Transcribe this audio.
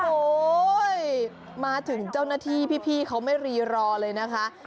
โอ้โหมาถึงเจ้าหน้าที่พี่เขาไม่รีรอเลยนะคะ